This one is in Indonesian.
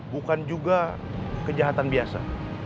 bukan juga kejahatan biasa